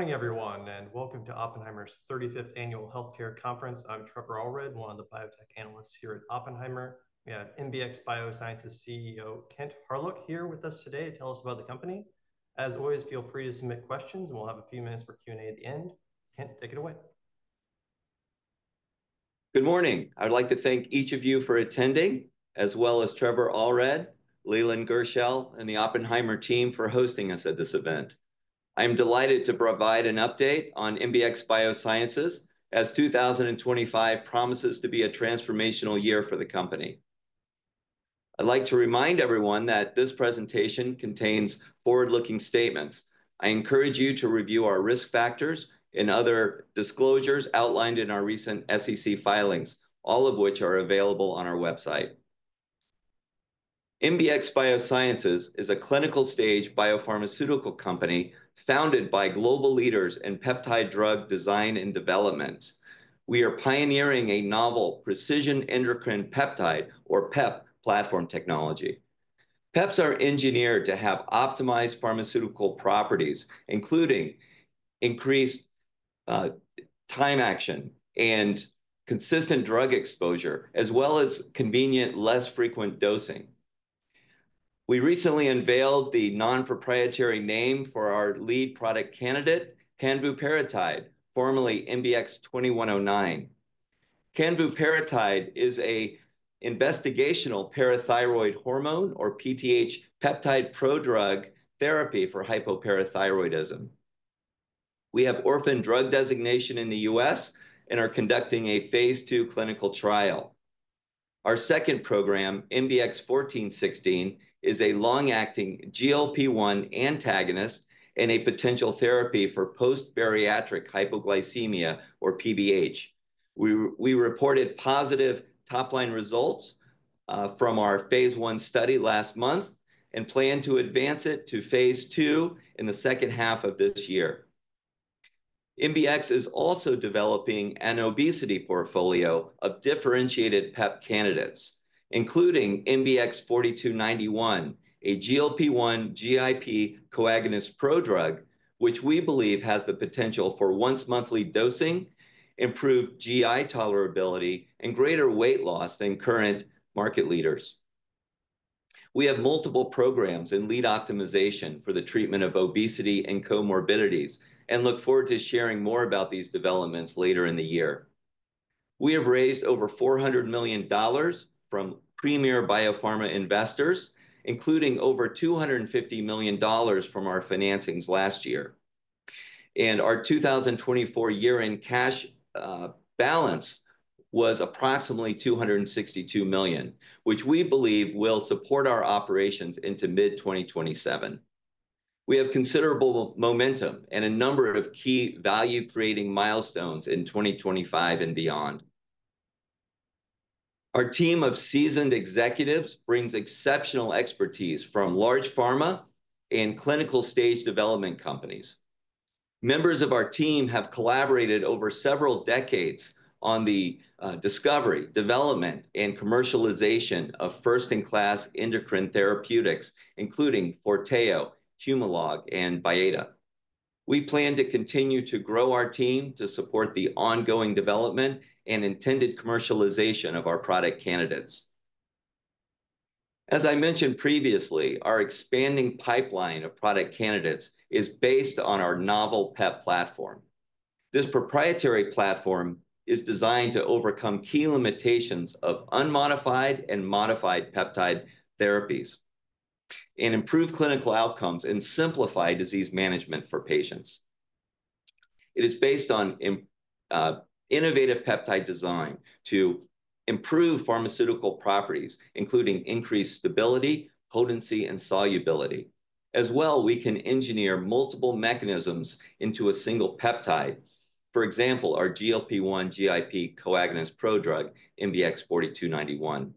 Morning, everyone, and welcome to Oppenheimer's 35th Annual Healthcare Conference. I'm Trevor Allred, one of the biotech analysts here at Oppenheimer. We have MBX Biosciences CEO Kent Hawryluk here with us today to tell us about the company. As always, feel free to submit questions, and we'll have a few minutes for Q&A at the end. Kent, take it away. Good morning. I'd like to thank each of you for attending, as well as Trevor Allred, Leland Gershell, and the Oppenheimer team for hosting us at this event. I am delighted to provide an update on MBX Biosciences as 2025 promises to be a transformational year for the company. I'd like to remind everyone that this presentation contains forward-looking statements. I encourage you to review our risk factors and other disclosures outlined in our recent SEC filings, all of which are available on our website. MBX Biosciences is a clinical-stage biopharmaceutical company founded by global leaders in peptide drug design and development. We are pioneering a novel precision endocrine peptide, or PEP, platform technology. PEPs are engineered to have optimized pharmaceutical properties, including increased time action and consistent drug exposure, as well as convenient, less frequent dosing. We recently unveiled the non-proprietary name for our lead product candidate, canvuparatide, formerly MBX 2109. Canvuparatide is an investigational parathyroid hormone, or PTH, peptide prodrug therapy for hypoparathyroidism. We have orphan drug designation in the U.S. and are conducting a phase II clinical trial. Our second program, MBX 1416, is a long-acting GLP-1 antagonist and a potential therapy for post-bariatric hypoglycemia, or PBH. We reported positive top-line results from our phase I study last month and plan to advance it to phase II in the second half of this year. MBX is also developing an obesity portfolio of differentiated PEP candidates, including MBX 4291, a GLP-1/GIP co-agonist prodrug, which we believe has the potential for once-monthly dosing, improved GI tolerability, and greater weight loss than current market leaders. We have multiple programs in lead optimization for the treatment of obesity and comorbidities and look forward to sharing more about these developments later in the year. We have raised over $400 million from premier biopharma investors, including over $250 million from our financings last year, and our 2024 year-end cash balance was approximately $262 million, which we believe will support our operations into mid-2027. We have considerable momentum and a number of key value-creating milestones in 2025 and beyond. Our team of seasoned executives brings exceptional expertise from large pharma and clinical-stage development companies. Members of our team have collaborated over several decades on the discovery, development, and commercialization of first-in-class endocrine therapeutics, including Forteo, Humalog, and Byetta. We plan to continue to grow our team to support the ongoing development and intended commercialization of our product candidates. As I mentioned previously, our expanding pipeline of product candidates is based on our novel PEP platform. This proprietary platform is designed to overcome key limitations of unmodified and modified peptide therapies and improve clinical outcomes and simplify disease management for patients. It is based on innovative peptide design to improve pharmaceutical properties, including increased stability, potency, and solubility. As well, we can engineer multiple mechanisms into a single peptide, for example, our GLP-1/GIP co-agonist prodrug, MBX 4291,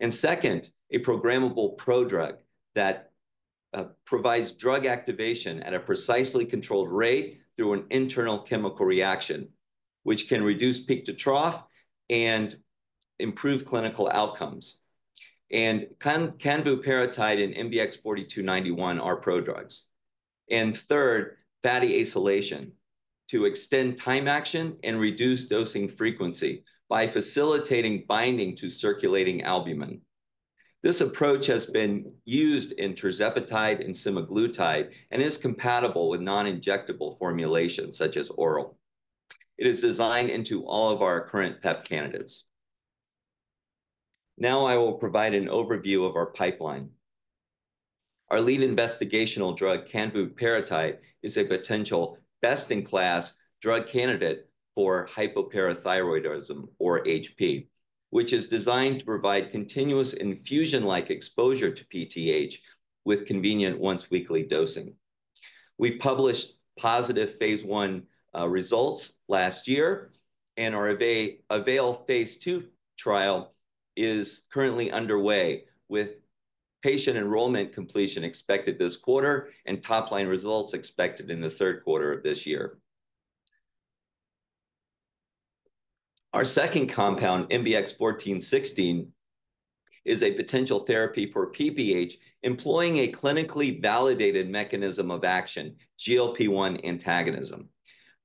and second, a programmable prodrug that provides drug activation at a precisely controlled rate through an internal chemical reaction, which can reduce peak to trough and improve clinical outcomes, and canvuparatide and MBX 4291 are prodrugs, and third, fatty acylation to extend time action and reduce dosing frequency by facilitating binding to circulating albumin. This approach has been used in tirzepatide and semaglutide and is compatible with non-injectable formulations such as oral. It is designed into all of our current PEP candidates. Now I will provide an overview of our pipeline. Our lead investigational drug, canvuparatide, is a potential best-in-class drug candidate for hypoparathyroidism, or HP, which is designed to provide continuous infusion-like exposure to PTH with convenient once-weekly dosing. We published positive phase I results last year, and our Avail phase II trial is currently underway with patient enrollment completion expected this quarter and top-line results expected in the third quarter of this year. Our second compound, MBX 1416, is a potential therapy for PBH employing a clinically validated mechanism of action, GLP-1 antagonism.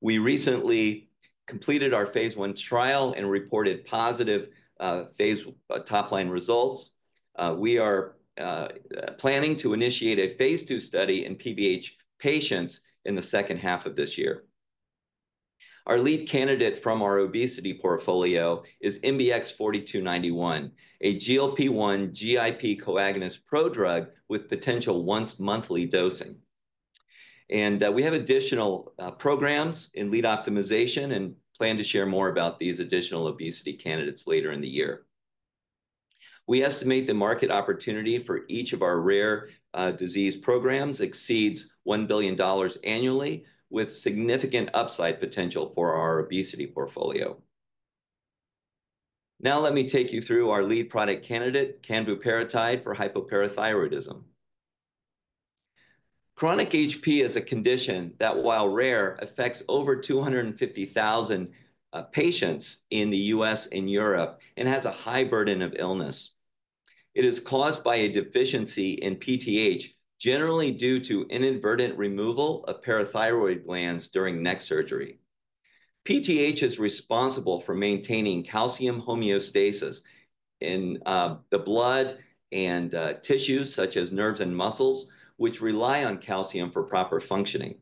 We recently completed our phase I trial and reported positive top-line results. We are planning to initiate a phase II study in PBH patients in the second half of this year. Our lead candidate from our obesity portfolio is MBX 4291, a GLP-1/GIP coagonist prodrug with potential once-monthly dosing, and we have additional programs in lead optimization and plan to share more about these additional obesity candidates later in the year. We estimate the market opportunity for each of our rare disease programs exceeds $1 billion annually, with significant upside potential for our obesity portfolio. Now let me take you through our lead product candidate, canvuparatide, for hypoparathyroidism. Chronic HP is a condition that, while rare, affects over 250,000 patients in the U.S. and Europe and has a high burden of illness. It is caused by a deficiency in PTH, generally due to inadvertent removal of parathyroid glands during neck surgery. PTH is responsible for maintaining calcium homeostasis in the blood and tissues such as nerves and muscles, which rely on calcium for proper functioning.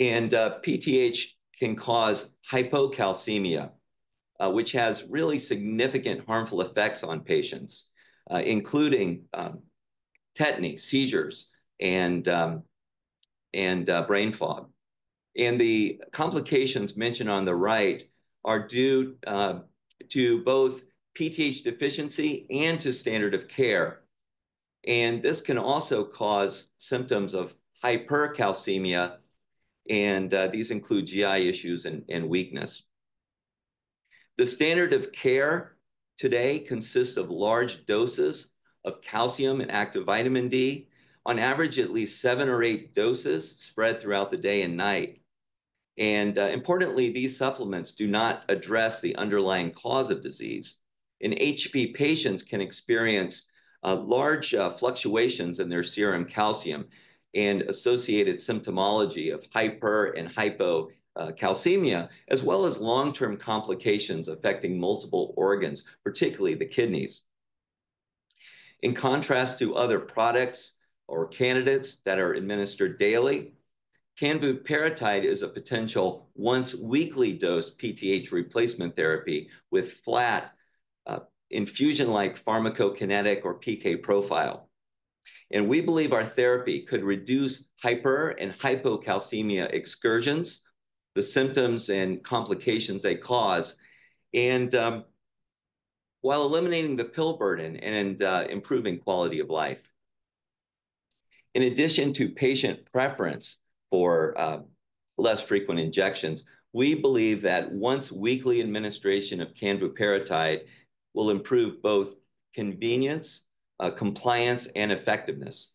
PTH can cause hypocalcemia, which has really significant harmful effects on patients, including tetany, seizures, and brain fog. The complications mentioned on the right are due to both PTH deficiency and to standard of care. This can also cause symptoms of hypercalcemia, and these include GI issues and weakness. The standard of care today consists of large doses of calcium and active vitamin D, on average at least seven or eight doses spread throughout the day and night. Importantly, these supplements do not address the underlying cause of disease. HP patients can experience large fluctuations in their serum calcium and associated symptomatology of hyper and hypocalcemia, as well as long-term complications affecting multiple organs, particularly the kidneys. In contrast to other products or candidates that are administered daily, canvuparatide is a potential once-weekly dose PTH replacement therapy with flat infusion-like pharmacokinetic or PK profile. And we believe our therapy could reduce hyper- and hypocalcemia excursions, the symptoms and complications they cause, while eliminating the pill burden and improving quality of life. In addition to patient preference for less frequent injections, we believe that once-weekly administration of canvuparatide will improve both convenience, compliance, and effectiveness.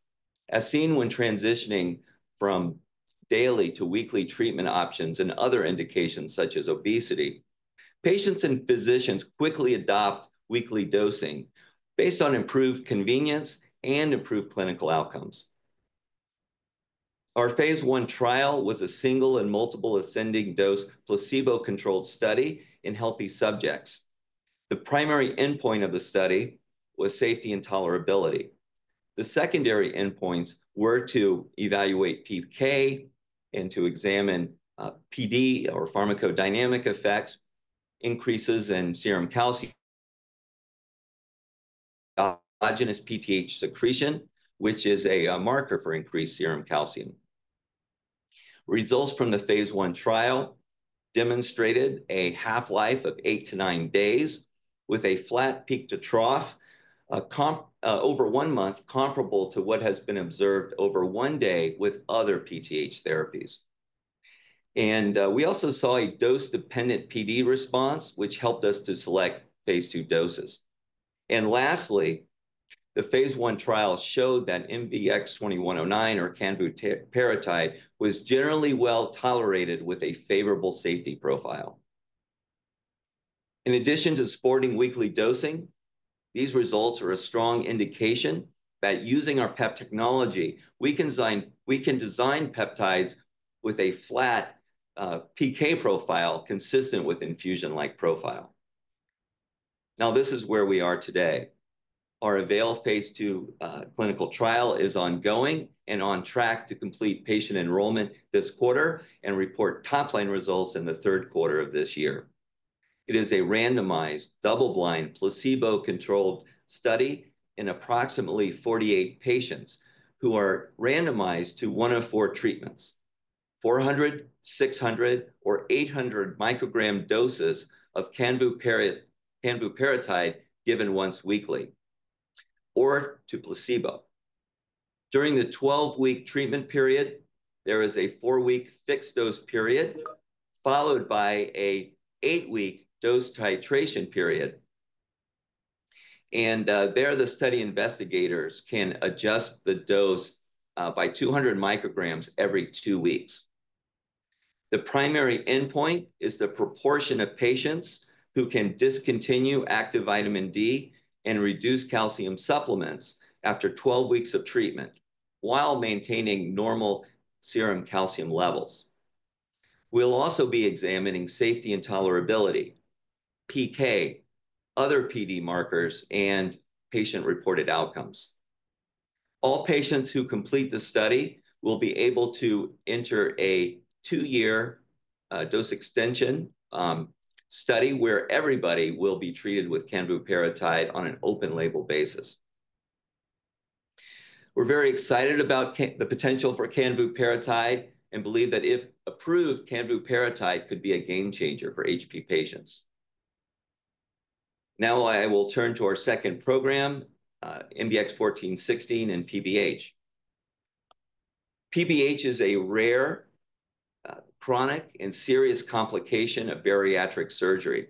As seen when transitioning from daily to weekly treatment options and other indications such as obesity, patients and physicians quickly adopt weekly dosing based on improved convenience and improved clinical outcomes. Our phase I trial was a single- and multiple-ascending-dose placebo-controlled study in healthy subjects. The primary endpoint of the study was safety and tolerability. The secondary endpoints were to evaluate PK and to examine PD or pharmacodynamic effects, increases in serum calcium, and autogenous PTH secretion, which is a marker for increased serum calcium. Results from the phase I trial demonstrated a half-life of 8-9 days with a flat peak to trough over one month, comparable to what has been observed over one day with other PTH therapies. We also saw a dose-dependent PD response, which helped us to select phase II doses. Lastly, the phase I trial showed that MBX 2109, or canvuparatide, was generally well-tolerated with a favorable safety profile. In addition to supporting weekly dosing, these results are a strong indication that using our PEP technology, we can design peptides with a flat PK profile consistent with infusion-like profile. Now, this is where we are today. Our Avail phase II clinical trial is ongoing and on track to complete patient enrollment this quarter and report top-line results in the third quarter of this year. It is a randomized double-blind placebo-controlled study in approximately 48 patients who are randomized to one of four treatments: 400, 600, or 800 microgram doses of canvuparatide given once weekly or to placebo. During the 12-week treatment period, there is a four-week fixed dose period followed by an eight-week dose titration period. There, the study investigators can adjust the dose by 200 µg every two weeks. The primary endpoint is the proportion of patients who can discontinue active vitamin D and reduce calcium supplements after 12 weeks of treatment while maintaining normal serum calcium levels. We'll also be examining safety and tolerability, PK, other PD markers, and patient-reported outcomes. All patients who complete the study will be able to enter a two-year dose extension study where everybody will be treated with canvuparatide on an open-label basis. We're very excited about the potential for canvuparatide and believe that if approved, canvuparatide could be a game changer for HP patients. Now, I will turn to our second program, MBX 1416 and PBH. PBH is a rare, chronic, and serious complication of bariatric surgery.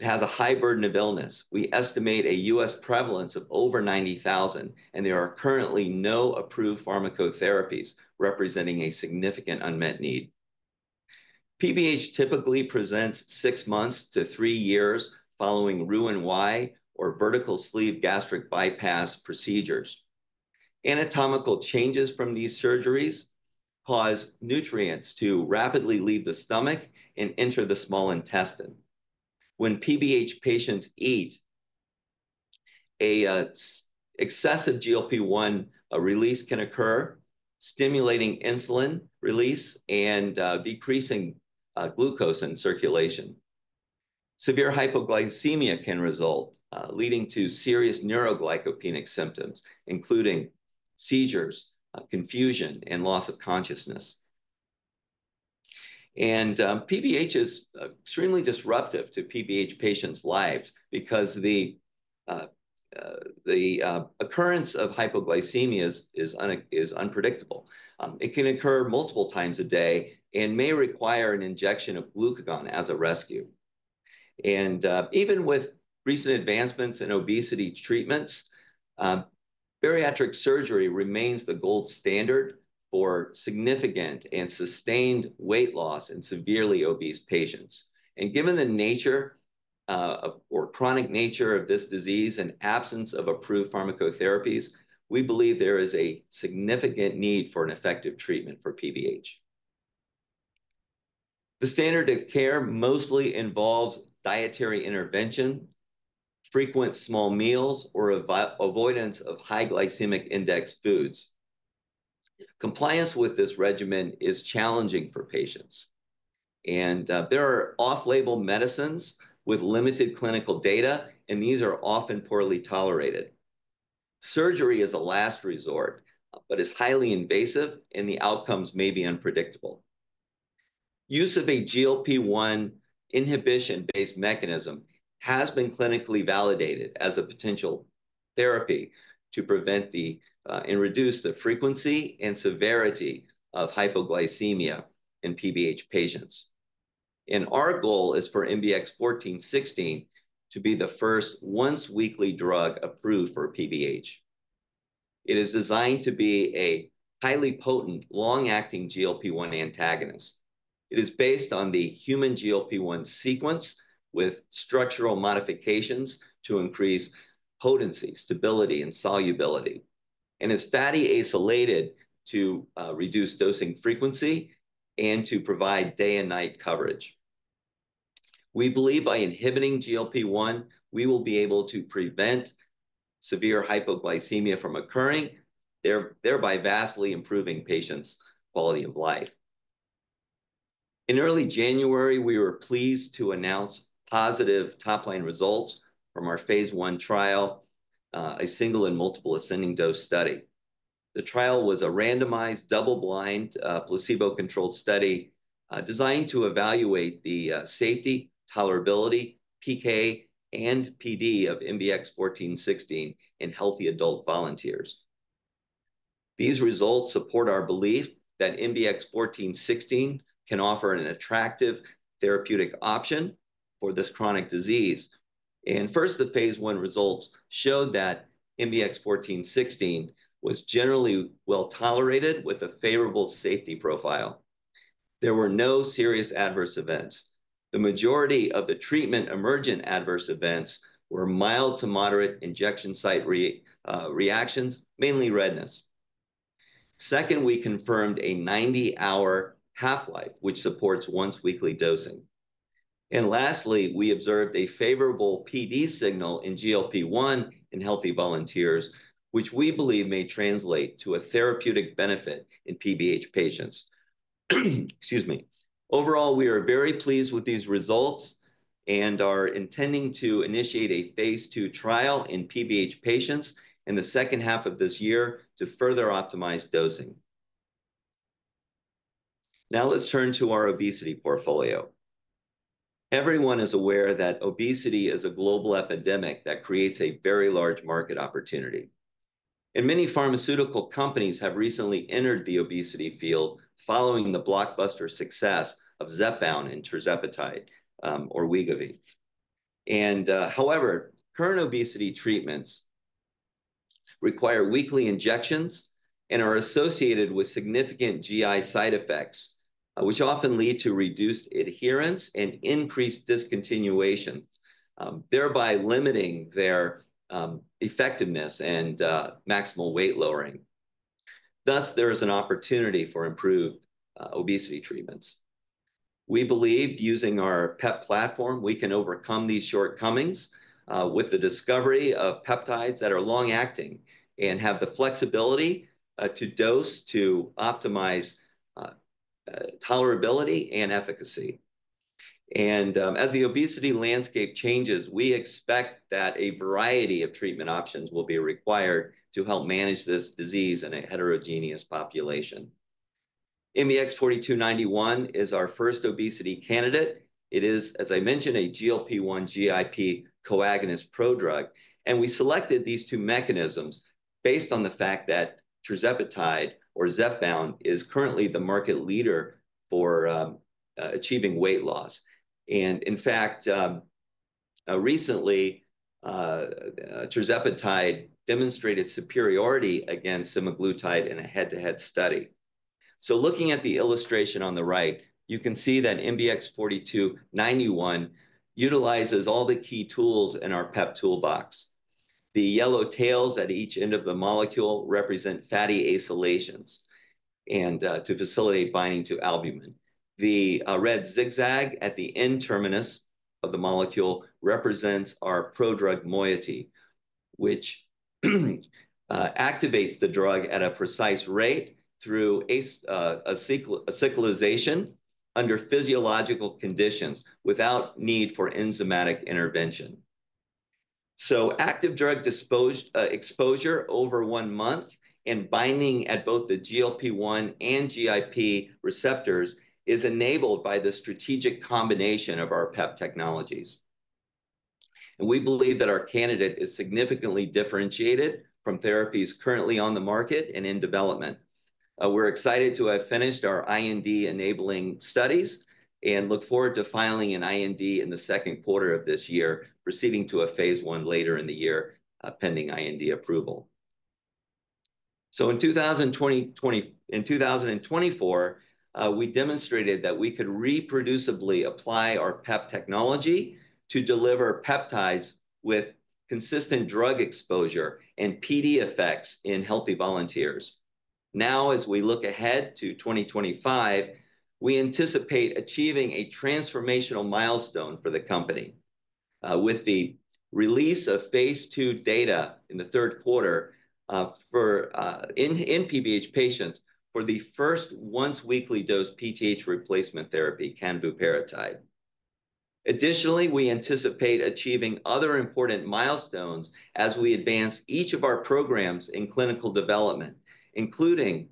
It has a high burden of illness. We estimate a U.S. prevalence of over 90,000, and there are currently no approved pharmacotherapies representing a significant unmet need. PBH typically presents six months to three years following Roux-en-Y or vertical sleeve gastric bypass procedures. Anatomical changes from these surgeries cause nutrients to rapidly leave the stomach and enter the small intestine. When PBH patients eat, an excessive GLP-1 release can occur, stimulating insulin release and decreasing glucose in circulation. Severe hypoglycemia can result, leading to serious neuroglycopenic symptoms, including seizures, confusion, and loss of consciousness, and PBH is extremely disruptive to PBH patients' lives because the occurrence of hypoglycemia is unpredictable. It can occur multiple times a day and may require an injection of glucagon as a rescue, and even with recent advancements in obesity treatments, bariatric surgery remains the gold standard for significant and sustained weight loss in severely obese patients, and given the nature or chronic nature of this disease and absence of approved pharmacotherapies, we believe there is a significant need for an effective treatment for PBH. The standard of care mostly involves dietary intervention, frequent small meals, or avoidance of high glycemic index foods. Compliance with this regimen is challenging for patients. There are off-label medicines with limited clinical data, and these are often poorly tolerated. Surgery is a last resort, but it's highly invasive, and the outcomes may be unpredictable. Use of a GLP-1 inhibition-based mechanism has been clinically validated as a potential therapy to prevent and reduce the frequency and severity of hypoglycemia in PBH patients. Our goal is for MBX 1416 to be the first once-weekly drug approved for PBH. It is designed to be a highly potent, long-acting GLP-1 antagonist. It is based on the human GLP-1 sequence with structural modifications to increase potency, stability, and solubility. It's fatty acylated to reduce dosing frequency and to provide day and night coverage. We believe by inhibiting GLP-1, we will be able to prevent severe hypoglycemia from occurring, thereby vastly improving patients' quality of life. In early January, we were pleased to announce positive top-line results from our phase I trial, a single and multiple ascending dose study. The trial was a randomized double-blind placebo-controlled study designed to evaluate the safety, tolerability, PK, and PD of MBX 1416 in healthy adult volunteers. These results support our belief that MBX 1416 can offer an attractive therapeutic option for this chronic disease. And first, the phase I results showed that MBX 1416 was generally well tolerated with a favorable safety profile. There were no serious adverse events. The majority of the treatment emergent adverse events were mild to moderate injection site reactions, mainly redness. Second, we confirmed a 90-hour half-life, which supports once-weekly dosing. And lastly, we observed a favorable PD signal in GLP-1 in healthy volunteers, which we believe may translate to a therapeutic benefit in PBH patients. Excuse me. Overall, we are very pleased with these results and are intending to initiate a phase II trial in PBH patients in the second half of this year to further optimize dosing. Now, let's turn to our obesity portfolio. Everyone is aware that obesity is a global epidemic that creates a very large market opportunity, and many pharmaceutical companies have recently entered the obesity field following the blockbuster success of Zepbound and tirzepatide or Wegovy, and however, current obesity treatments require weekly injections and are associated with significant GI side effects, which often lead to reduced adherence and increased discontinuation, thereby limiting their effectiveness and maximal weight lowering. Thus, there is an opportunity for improved obesity treatments. We believe using our PEP platform, we can overcome these shortcomings with the discovery of peptides that are long-acting and have the flexibility to dose to optimize tolerability and efficacy. As the obesity landscape changes, we expect that a variety of treatment options will be required to help manage this disease in a heterogeneous population. MBX 4291 is our first obesity candidate. It is, as I mentioned, a GLP-1/GIP co-agonist prodrug. We selected these two mechanisms based on the fact that tirzepatide or Zepbound is currently the market leader for achieving weight loss. In fact, recently, tirzepatide demonstrated superiority against semaglutide in a head-to-head study. Looking at the illustration on the right, you can see that MBX 4291 utilizes all the key tools in our PEP toolbox. The yellow tails at each end of the molecule represent fatty acylations and to facilitate binding to albumin. The red zigzag at the end terminus of the molecule represents our prodrug moiety, which activates the drug at a precise rate through a cyclization under physiological conditions without need for enzymatic intervention, so active drug exposure over one month and binding at both the GLP-1 and GIP receptors is enabled by the strategic combination of our PEP technologies, and we believe that our candidate is significantly differentiated from therapies currently on the market and in development. We're excited to have finished our IND-enabling studies and look forward to filing an IND in the second quarter of this year, proceeding to a phase I later in the year pending IND approval, so in 2024, we demonstrated that we could reproducibly apply our PEP technology to deliver peptides with consistent drug exposure and PD effects in healthy volunteers. Now, as we look ahead to 2025, we anticipate achieving a transformational milestone for the company with the release of phase II data in the third quarter for in PBH patients for the first once-weekly dose PTH replacement therapy, canvuparatide. Additionally, we anticipate achieving other important milestones as we advance each of our programs in clinical development, including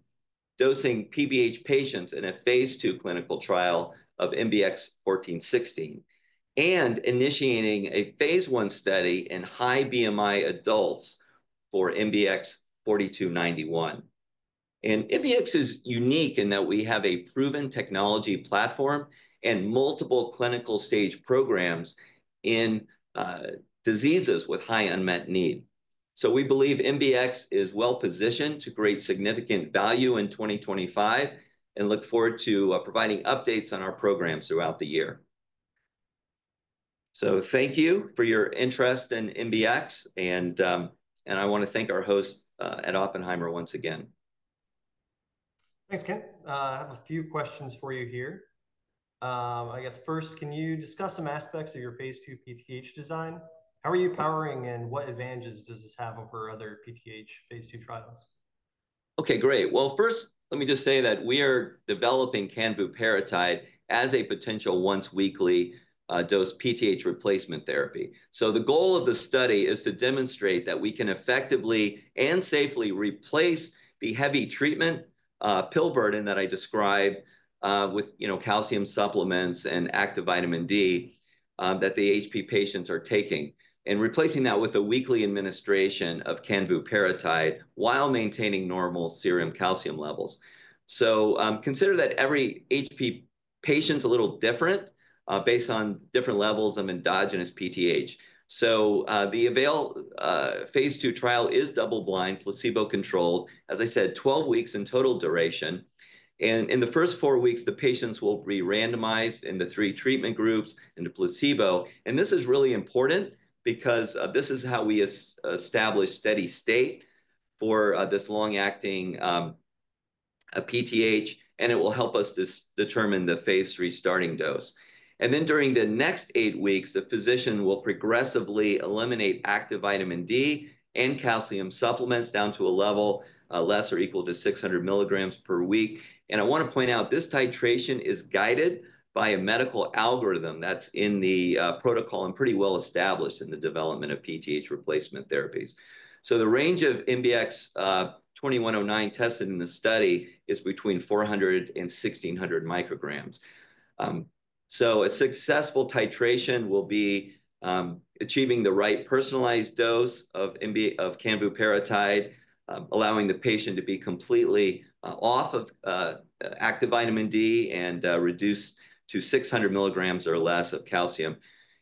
dosing PBH patients in a phase II clinical trial of MBX 1416 and initiating a phase I study in high BMI adults for MBX 4291. And MBX is unique in that we have a proven technology platform and multiple clinical stage programs in diseases with high unmet need. So we believe MBX is well positioned to create significant value in 2025 and look forward to providing updates on our programs throughout the year. So thank you for your interest in MBX. I want to thank our host at Oppenheimer once again. Thanks, Kent. I have a few questions for you here. I guess first, can you discuss some aspects of your phase II PTH design? How are you powering and what advantages does this have over other PTH phase II trials? Okay, great. First, let me just say that we are developing canvuparatide as a potential once-weekly dose PTH replacement therapy. The goal of the study is to demonstrate that we can effectively and safely replace the heavy treatment pill burden that I described with calcium supplements and active vitamin D that the HP patients are taking and replacing that with a weekly administration of canvuparatide while maintaining normal serum calcium levels. Consider that every HP patient's a little different based on different levels of endogenous PTH. So the phase II trial is double-blind, placebo-controlled, as I said, 12 weeks in total duration. And in the first four weeks, the patients will be randomized in the three treatment groups into placebo. And this is really important because this is how we establish steady state for this long-acting PTH, and it will help us determine the phase III starting dose. And then during the next eight weeks, the physician will progressively eliminate active vitamin D and calcium supplements down to a level less or equal to 600 mg per week. And I want to point out this titration is guided by a medical algorithm that's in the protocol and pretty well established in the development of PTH replacement therapies. So the range of MBX 2109 tested in the study is between 400 and 1,600 micrograms. So a successful titration will be achieving the right personalized dose of canvuparatide, allowing the patient to be completely off of active vitamin D and reduce to 600 mg or less of calcium.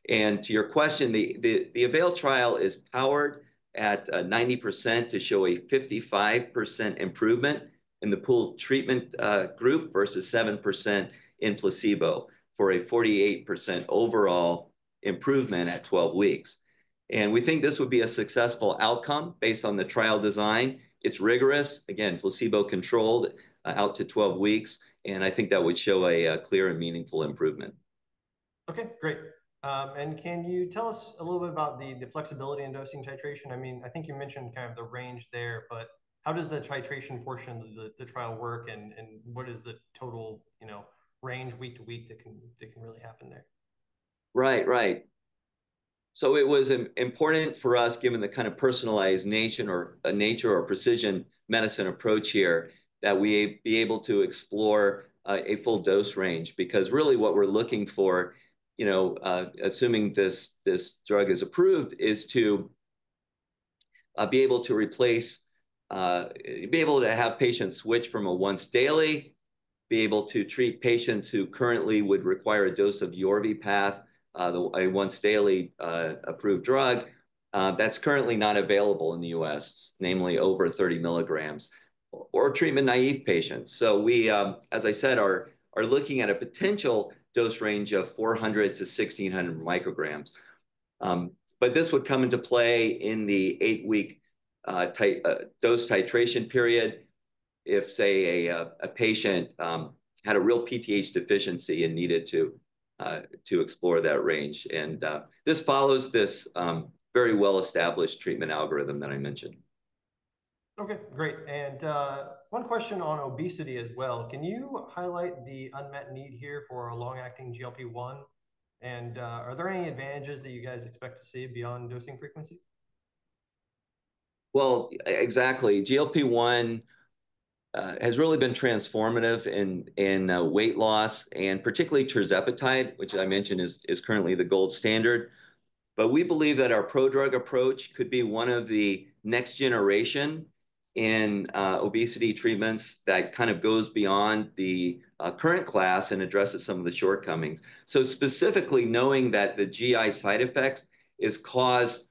And to your question, the Avail trial is powered at 90% to show a 55% improvement in the pooled treatment group versus 7% in placebo for a 48% overall improvement at 12 weeks. And we think this would be a successful outcome based on the trial design. It's rigorous, again, placebo-controlled out to 12 weeks. And I think that would show a clear and meaningful improvement. Okay, great. And can you tell us a little bit about the flexibility in dosing titration? I mean, I think you mentioned kind of the range there, but how does the titration portion of the trial work and what is the total range week to week that can really happen there? Right, right. So it was important for us, given the kind of personalized nature or precision medicine approach here, that we be able to explore a full dose range because really what we're looking for, assuming this drug is approved, is to be able to replace, be able to have patients switch from a once-daily, be able to treat patients who currently would require a dose of YORVIPATH, a once-daily approved drug that's currently not available in the U.S., namely over 30 mg, or treatment naive patients. So we, as I said, are looking at a potential dose range of 400-1,600 µg. But this would come into play in the eight-week dose titration period if, say, a patient had a real PTH deficiency and needed to explore that range. And this follows this very well-established treatment algorithm that I mentioned. Okay, great. And one question on obesity as well. Can you highlight the unmet need here for a long-acting GLP-1? And are there any advantages that you guys expect to see beyond dosing frequency? Well, exactly. GLP-1 has really been transformative in weight loss and particularly tirzepatide, which I mentioned is currently the gold standard. But we believe that our prodrug approach could be one of the next generation in obesity treatments that kind of goes beyond the current class and addresses some of the shortcomings. So, specifically, knowing that the GI side effects is caused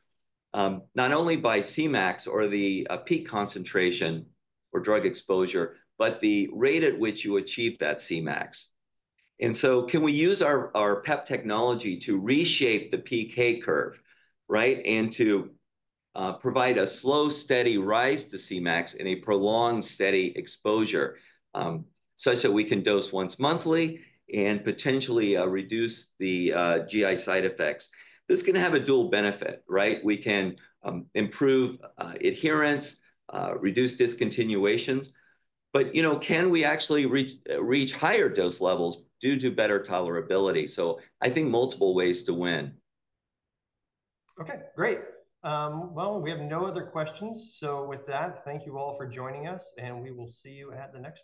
not only by Cmax or the peak concentration or drug exposure, but the rate at which you achieve that Cmax. And so, can we use our PEP technology to reshape the PK curve, right, and to provide a slow, steady rise to Cmax in a prolonged steady exposure such that we can dose once monthly and potentially reduce the GI side effects? This can have a dual benefit, right? We can improve adherence, reduce discontinuations. But can we actually reach higher dose levels due to better tolerability? So, I think multiple ways to win. Okay, great. Well, we have no other questions. So, with that, thank you all for joining us, and we will see you at the next.